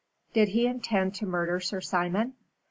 "Did he intend to murder Sir Simon?"